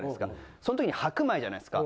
そのときに白米じゃないですか。